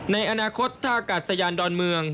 ในอนาคตถ้าอากาศสะยานดอนเมือง